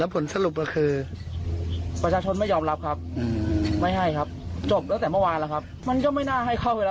เพราะว่าเอามาก็แพร่กระจาย